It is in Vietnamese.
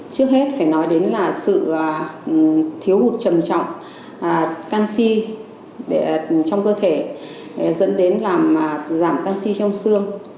trước hết phải nói đến là sự thiếu hụt trầm trọng canxi trong cơ thể dẫn đến làm giảm canxi trong xương